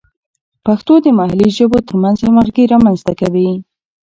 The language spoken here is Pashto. پښتو د محلي ژبو ترمنځ همغږي رامینځته کوي.